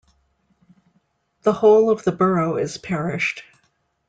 The whole of the borough is parished.